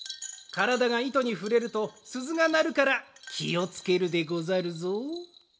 からだがいとにふれるとすずがなるからきをつけるでござるぞ。